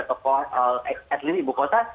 tokoh at least ibu kota